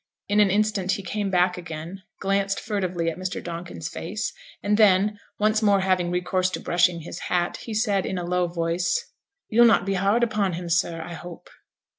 In an instant he came back again, glanced furtively at Mr. Donkin's face, and then, once more having recourse to brushing his hat, he said, in a low voice 'You'll not be hard upon him, sir, I hope?'